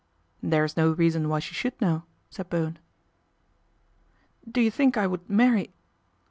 " There is no reason why she should know," said Bowen. "Do you think I would marry